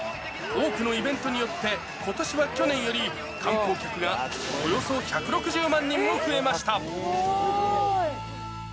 多くのイベントによって、ことしは去年より観光客がおよそ１６０万人も増えました。